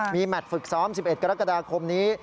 มีแมทฝึกซ้อม๑๑กรกฎาคมนี้